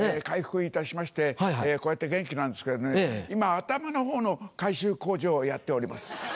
回復いたしましてこうやって元気なんですけれどね今頭のほうの改修工事をやっております。